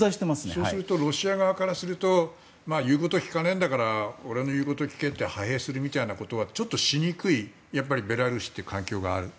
そうするとロシア側からすると言うことを聞かないんだから俺の言うことを聞けと派兵するみたいなことはしにくいベラルーシって環境がある。